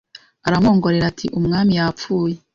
aramwongorera ati Umwami yapfuye